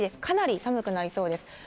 かなり寒くなりそうです。